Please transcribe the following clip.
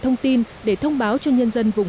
thông tin để thông báo cho nhân dân vùng